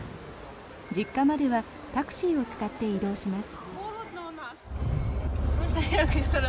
実家まではタクシーを使って移動します。